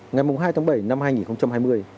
ngày hai tháng bảy năm hai nghìn hai mươi